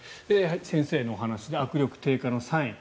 先生のお話で握力低下のサイン。